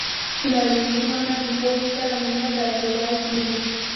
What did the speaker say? فلالوژي مانا د پوهي سره مینه درلودل دي.